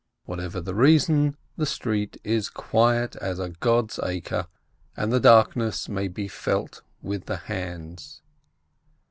Whatever the reason, the street is quiet as a God's acre, and the darkness may be felt with the hands.